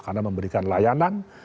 karena memberikan layanan